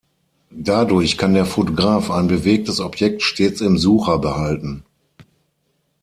Dadurch kann der Fotograf ein bewegtes Objekt stets im Sucher behalten.